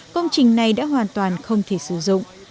công trình này đã hoàn toàn không thể sử dụng